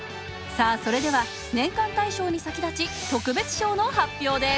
それでは年間大賞に先立ち特別賞の発表です。